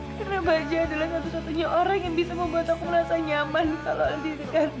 karena baja adalah satu satunya orang yang bisa membuat aku merasa nyaman kalau di dekat